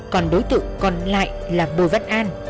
còn đối tượng còn lại là bùi văn an